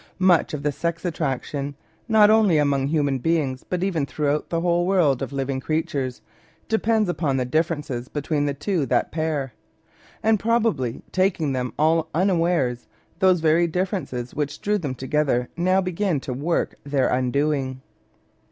Much of the sex attraction (not only among human beings, but even throughout the whole world of living creatures) depends upon the differences be tween the two that pair; and probably taking them all unawares, those very differences which drew them to gether now begin to work their undoing.